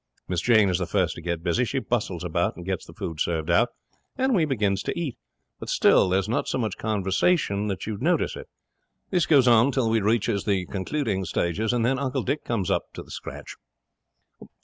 Miss Jane is the first to get busy. She bustles about and gets the food served out, and we begins to eat. But still there's not so much conversation that you'd notice it. This goes on till we reaches the concluding stages, and then Uncle Dick comes up to the scratch.